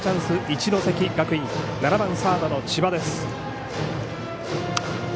一関学院７番サードの千葉です。